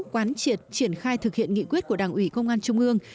quán triệt triển khai thực hiện nghị quyết của đảng ủy công an trung ương